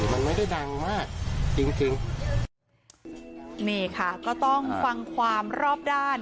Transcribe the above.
มันไม่ได้ดังมากจริงจริงนี่ค่ะก็ต้องฟังความรอบด้าน